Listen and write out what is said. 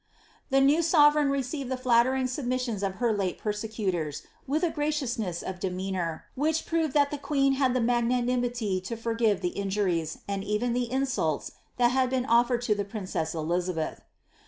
The new sovereign received the flattering submissions of her late persecutors, with a graciousness of demeanour, which proved that the queen had the magnanimity to forgive th^ injuries, and even the insults, that had been oflered to the princess Elizabeth.